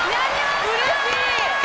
うれしい！